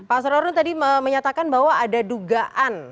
mas rorun tadi menyatakan bahwa ada dugaan